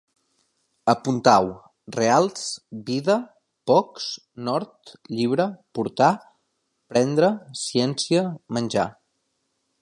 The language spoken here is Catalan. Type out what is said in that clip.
Apuntau: reals, vida, pocs, nord, llibre, portar, prendre, ciència, menjar